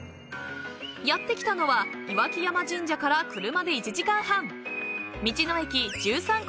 ［やって来たのは岩木山神社から車で１時間半］